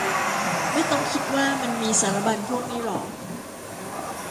ไม่ต้องคิดว่ามันมีสารบัญพวกนี้หรอ